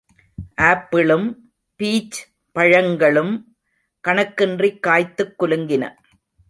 ஆப்பிளும், peach பழங்களும் கணக்கின்றிக் காய்த்துக் குலுங்கின.